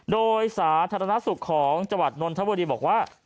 โดยสาธารณสุขของจังหวัดนนทบุรีบอกว่า